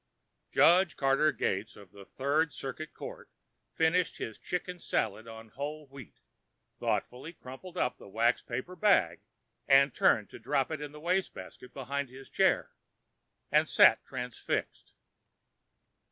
Judge Carter Gates of the Third Circuit Court finished his chicken salad on whole wheat, thoughtfully crumpled the waxed paper bag and turned to drop it in the waste basket behind his chair and sat transfixed.